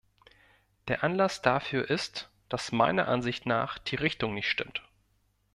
Der Anlass dafür ist, dass meiner Ansicht nach die Richtung nicht stimmt.